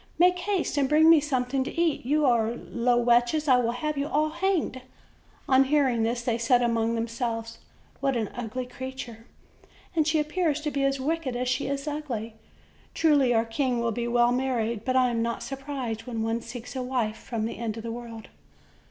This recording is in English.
Make haste and bring me something to eat. You are low wretches, and I will have you all hanged." On hearing this, they said among themselves: "What an ugly creature! and she appears to be as wicked as she is ugly. Truly our king will be well married; but I am not surprised when one seeks a wife from the end of the world."